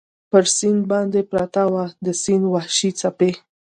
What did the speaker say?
پر سیند باندې پرته وه، د سیند وحشي څپې.